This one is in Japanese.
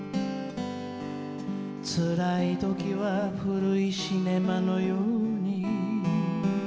「辛い時は古いシネマのように」